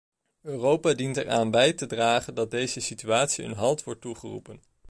Europa dient eraan bij te dragen dat deze situatie een halt wordt toegeroepen.